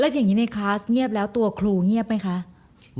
เห้ยก็คลุเงียบบ้าง